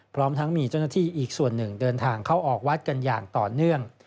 พร้อมทั้งมีเจ้าหน้าที่อีกส่วนหนึ่งเดินทางเข้าออกวัดกันอย่างต่อเนื่อง